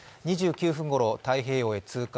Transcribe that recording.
２９分ごろ、太平洋へ通過。